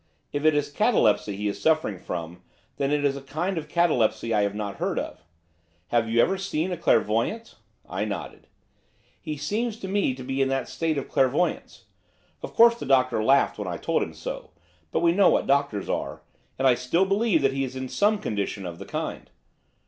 If it is catalepsy he is suffering from, then it is a kind of catalepsy I never heard of. Have you ever seen a clairvoyant?' I nodded. 'He seems to me to be in a state of clairvoyance. Of course the doctor laughed when I told him so, but we know what doctors are, and I still believe that he is in some condition of the kind.